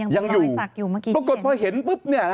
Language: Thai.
ยังอยู่ศักดิ์อยู่เมื่อกี้ปรากฏพอเห็นปุ๊บเนี่ย